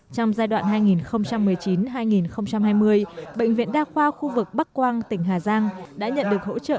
trong giai đoạn hai nghìn một mươi chín hai nghìn hai mươi bệnh viện đa khoa khu vực bắc quang tỉnh hà giang đã nhận được hỗ trợ